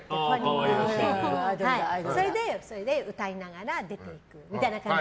それで歌いながら出て行くみたいな感じ。